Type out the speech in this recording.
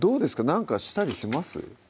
何かしたりします？